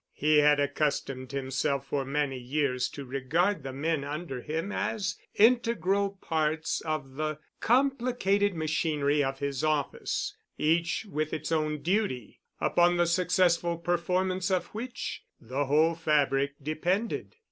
He had accustomed himself for many years to regard the men under him as integral parts of the complicated machinery of his office, each with its own duty, upon the successful performance of which the whole fabric depended.